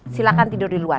silahkan tidur di luar